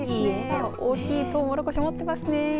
大きいトウモロコシ持ってますね。